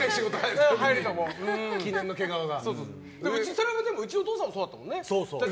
それはうちのお父さんもそうだったもんね。